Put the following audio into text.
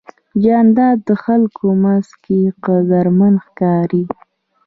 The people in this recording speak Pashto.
جانداد د خلکو منځ کې قدرمن ښکاري.